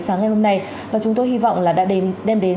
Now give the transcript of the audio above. sáng ngày hôm nay và chúng tôi hy vọng là đã đem đến